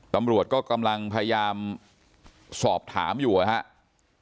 ตำรวจก็กำลังพยายามสอบถามอยู่นะครับ